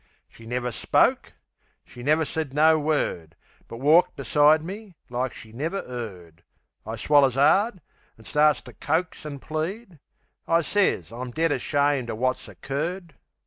She never spoke; she never said no word; But walked beside me like she never 'eard. I swallers 'ard, an' starts to coax an' plead, I sez I'm dead ashamed o' wot's occurred.